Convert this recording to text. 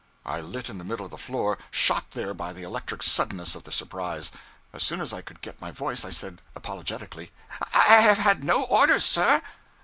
I lit in the middle of the floor, shot there by the electric suddenness of the surprise. As soon as I could get my voice I said, apologetically: 'I have had no orders, sir.'